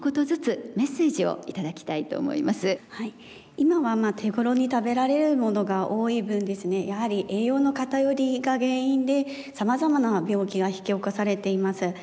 今は手ごろに食べられるものが多い分やはり栄養の偏りが原因でさまざまな病気が引き起こされています。